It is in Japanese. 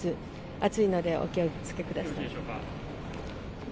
暑いのでお気をつけください。